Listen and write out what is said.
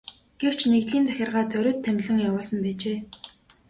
Гэвч нэгдлийн захиргаа зориуд томилон явуулсан байжээ.